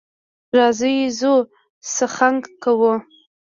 راځئ ځو څخنک کوو.